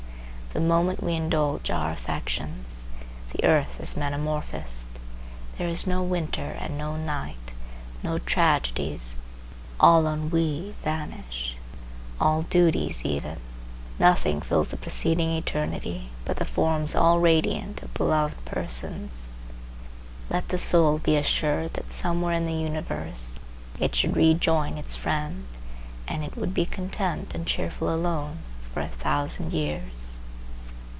The moment we indulge our affections, the earth is metamorphosed; there is no winter and no night; all tragedies, all ennuis vanish,—all duties even; nothing fills the proceeding eternity but the forms all radiant of beloved persons. Let the soul be assured that somewhere in the universe it should rejoin its friend, and it would be content and cheerful alone for a thousand years.